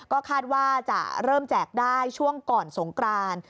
ก็คาดว่าจะเริ่มแจกได้ช่วงก่อนสงกราน